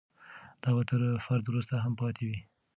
دا به تر فرد وروسته هم پاتې وي.